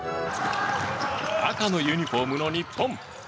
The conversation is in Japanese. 赤のユニホームの日本。